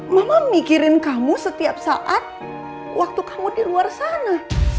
mama mikirin kamu setiap saat waktu kamu di luar sana